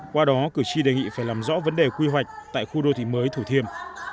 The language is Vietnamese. qua đó cử tri đề nghị phải làm rõ vấn đề quy hoạch tại khu đô thị mới thủ thiêm